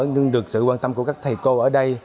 nhưng được sự quan tâm của các thầy cô ở đây